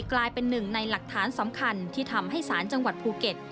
กลายเป็นหนึ่งในหลักฐานสำคัญที่ทำให้สารจังหวัดภูเก็ต